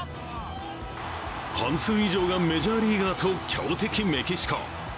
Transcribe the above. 半数以上がメジャーリーガーと強敵・メキシコ。